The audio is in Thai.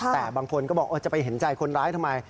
แต่บางคนก็บอกจะไปเห็นใจคนร้ายทำไม